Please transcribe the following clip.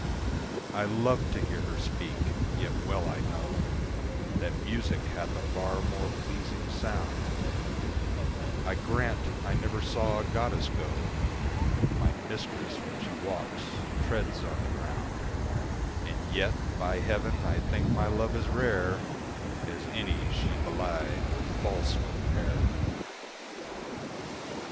I love to hear her speak, yet well I know That music hath a far more pleasing sound; I grant I never saw a goddess go; My mistress, when she walks, treads on the ground: And yet, by heaven, I think my love as rare As any she belied with false compare.